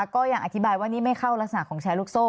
ก็ยังอธิบายว่านี่ไม่เข้ารักษณะของแชร์ลูกโซ่